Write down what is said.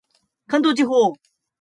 関東地方